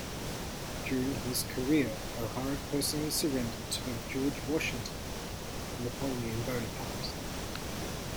During his career O'Hara personally surrendered to both George Washington and Napoleon Bonaparte.